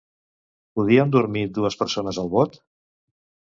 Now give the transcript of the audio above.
Podien dormir dues persones al bot?